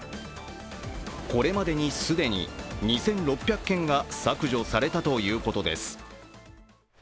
これまで既に２６００件が削除されたということです。